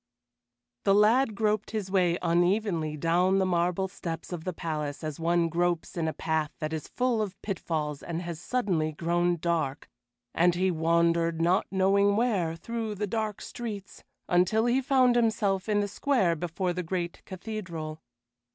The lad groped his way unevenly down the marble steps of the palace as one gropes in a path that is full of pitfalls and has suddenly grown dark, and he wandered, not knowing where, through the dark streets, until he found himself in the square before the great cathedral.